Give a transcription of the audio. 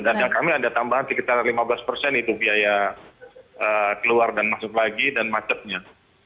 dan yang kami ada tambahan sekitar lima belas persen itu biaya keluar dan masuk lagi dan macetnya